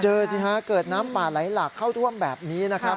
สิฮะเกิดน้ำป่าไหลหลากเข้าท่วมแบบนี้นะครับ